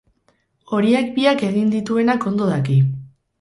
Horiek biak egin dituenak ondo daki.